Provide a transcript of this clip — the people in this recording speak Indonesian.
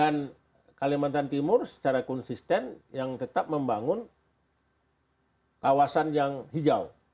dan kalimantan timur secara konsisten yang tetap membangun kawasan yang hijau